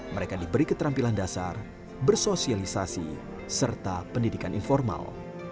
mereka diberi keterampilan dasar bersosialisasi serta pendidikan informal